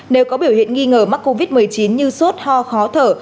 nếu hiện nghi ngờ mắc covid một mươi chín như sốt ho khó thở